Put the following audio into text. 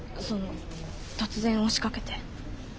その突然押しかけて。